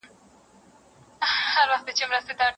زما له ژبي اور بلیږي خپل وجود ته مي دښمن یم.